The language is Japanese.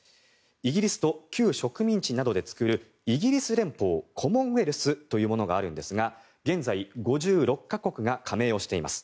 イギリスと旧植民地などで作るイギリス連邦コモンウェルスというものがあるんですが現在５６か国が加盟しています。